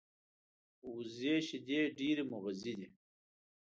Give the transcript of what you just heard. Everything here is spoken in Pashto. وزې شیدې ډېرې مغذي دي